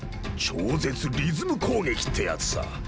超絶リズム攻撃ってやつさ。